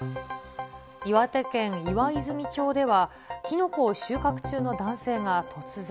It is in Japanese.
岩手県岩泉町では、キノコを収穫中の男性が突然。